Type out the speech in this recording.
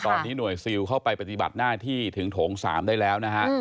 ตอนนี้หน่วยซิลเข้าไปปฏิบัติหน้าที่ถึงโถง๓ได้แล้วนะฮะ